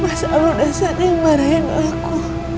masa lu dasarnya yang marah dengan aku